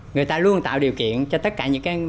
người ta luôn tạo điều kiện cho tất cả những cái